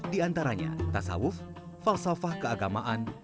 di antaranya tasawuf falsafah keagamaan